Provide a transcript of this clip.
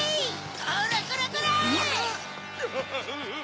・こらこらこら！